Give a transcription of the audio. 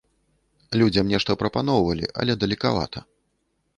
Людзям нешта прапаноўвалі, але далекавата.